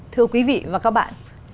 thưa quý vị và các bạn